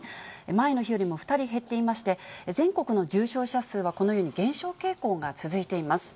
前の日よりも２人減っていまして、全国の重症者数はこのように減少傾向が続いています。